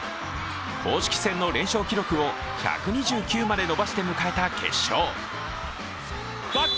公式戦の連勝記録を１２９まで伸ばして迎えた決勝。